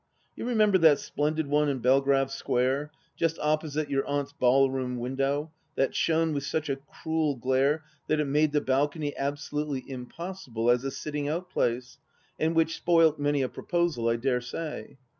You remember that splendid one in Belgrave Square, just opposite your aunt's ballroom window, that shone with such a cruel glare that it made the balcony absolutely impossible as a sitting out place, and which spoilt many a proposal, I dare say